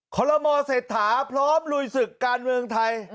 คอลโลโมเสร็จถามพร้อมรุยสึกการเมืองไทย